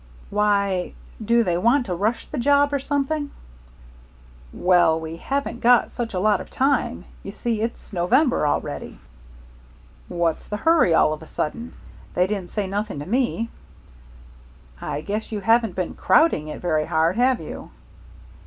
"Why do they want to rush the job or something?" "Well, we haven't got such a lot of time. You see, it's November already." "What's the hurry all of a sudden? They didn't say nothing to me." "I guess you haven't been crowding it very hard, have you?"